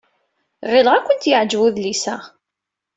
Ɣileɣ ad kent-yeɛjeb udlis-a.